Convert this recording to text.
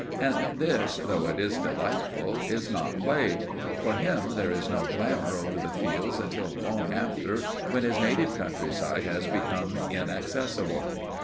And this, though it is delightful, is not play. For him, there is no glamour over the fields until long after, when his native countryside has become inaccessible.